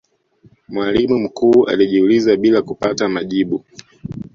mwalimu mkuu alijiuliza bila kupata majibu